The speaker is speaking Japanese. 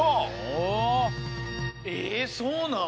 えそうなん！？